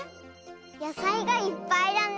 やさいがいっぱいだね！